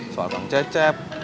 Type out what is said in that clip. soal kang cecep